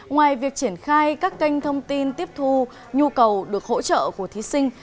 ngoài việc triển khai các kênh thông tin tiếp thu nhu cầu được hỗ trợ của thí sinh